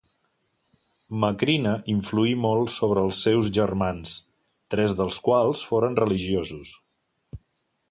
Macrina influí molt sobre els seus germans, tres dels quals foren religiosos.